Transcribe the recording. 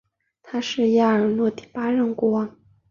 他是亚尔诺第八任国王。